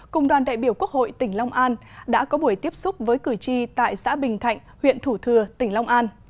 cùng đoàn đại biểu quốc hội tỉnh long an đã có buổi tiếp xúc với cử tri tại xã bình thạnh huyện thủ thừa tỉnh long an